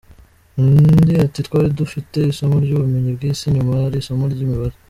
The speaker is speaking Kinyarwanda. Undi ati “Twari dufite isomo ry’ubumenyi bw’isi nyuma hari isomo ry’imibare.